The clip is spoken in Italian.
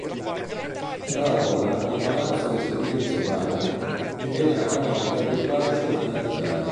Da allora il Palazzo Vescovile di Sovana divenne la canonica dei parroci della cattedrale.